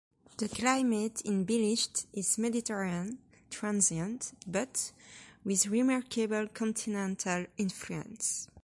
The climate in Bilisht is Mediterranean transient, but with remarkable continental influence.